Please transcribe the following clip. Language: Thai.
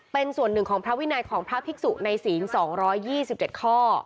เป็นส่วนหนึ่งของพระวินัยของพระภิกษุในศีล๒๒๗ข้อ